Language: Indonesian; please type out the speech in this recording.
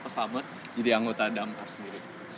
selamat jadi anggota damkar sendiri